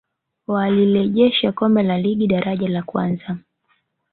walilejesha kombe la ligi daraja la kwanza